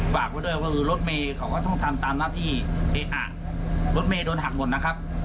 ฝากไว้ด้วยว่ารถเมย์เขาก็ต้องทำตามหน้าที่เออะรถเมย์โดนหักหมดนะครับ